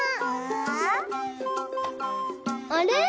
あれ？